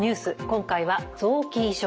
今回は臓器移植。